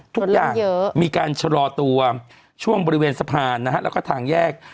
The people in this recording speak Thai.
ทุกอย่างเยอะมีการชะลอตัวช่วงบริเวณสะพานนะฮะแล้วก็ทางแยก